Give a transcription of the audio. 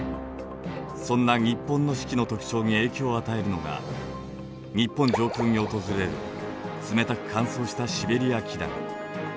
そんな日本の四季の特徴に影響を与えるのが日本上空に訪れる冷たく乾燥したシベリア気団